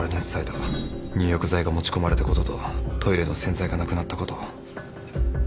入浴剤が持ち込まれたこととトイレの洗剤がなくなったこと。